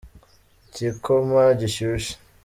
igikoma gishyushye.